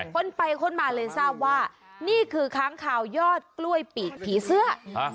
คนไปค้นมาเลยทราบว่านี่คือค้างคาวยอดกล้วยปีกผีเสื้อ